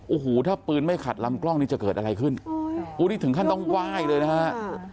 โอ้โหถ้าปืนไม่ขัดลำกล้องนี้จะเกิดอะไรขึ้นอุ้ยนี่ถึงขั้นต้องไหว้เลยนะฮะ